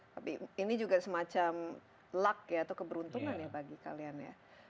tapi ini juga semacam luck ya atau keberuntungan ya bagi kalian ya